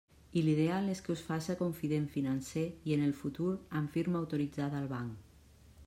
I l'ideal és que us faça confident financer, i en el futur amb firma autoritzada al banc.